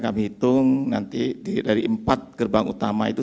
kami hitung nanti dari empat gerbang utama itu